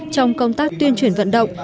trong công tác tuyên truyền vận động